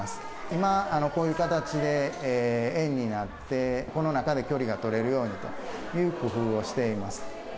今、こういう形で円になって、この中で距離が取れるようにという工夫をしています。